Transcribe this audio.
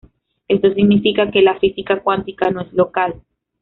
Esto significa que la física cuántica no es local.